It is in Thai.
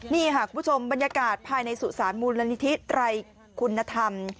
นี่ค่ะคุณผู้ชมบรรยากาศภายในสุสานมูลนิธิไตรคุณธรรม